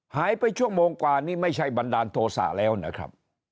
หายไปชั่วโมงกว่านี่ไม่ใช่บันดาลโทษะแล้วนะครับ